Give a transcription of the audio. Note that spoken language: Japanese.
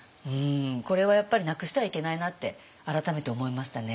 これはやっぱりなくしてはいけないなって改めて思いましたね。